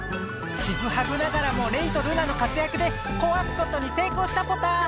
ちぐはぐながらもレイとルナの活やくでこわすことにせいこうしたポタ！